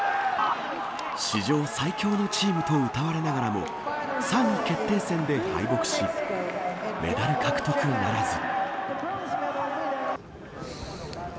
史上最強のチームとうたわれながらも３位決定戦で敗北しメダル獲得ならず。